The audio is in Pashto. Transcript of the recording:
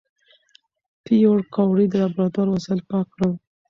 پېیر کوري د لابراتوار وسایل پاک کړل.